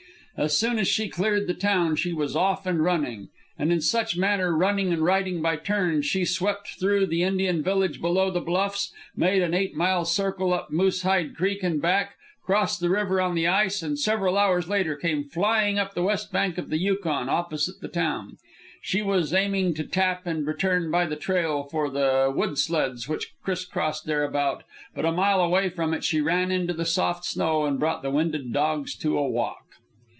As soon as she cleared the town she was off and running. And in such manner, running and riding by turns, she swept through the Indian village below the bluff's, made an eight mile circle up Moosehide Creek and back, crossed the river on the ice, and several hours later came flying up the west bank of the Yukon opposite the town. She was aiming to tap and return by the trail for the wood sleds which crossed thereabout, but a mile away from it she ran into the soft snow and brought the winded dogs to a walk.